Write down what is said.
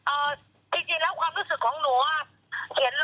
อ่านไปแล้วเมื่อกี้อ่านให้แล้ว